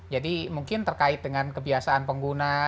jadi mungkin terkait dengan kebiasaan pengguna